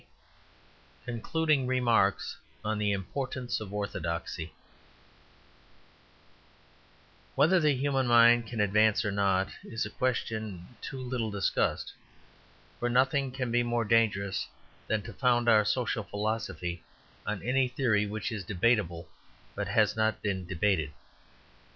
XX. Concluding Remarks on the Importance of Orthodoxy Whether the human mind can advance or not, is a question too little discussed, for nothing can be more dangerous than to found our social philosophy on any theory which is debatable but has not been debated.